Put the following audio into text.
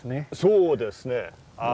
そうですね。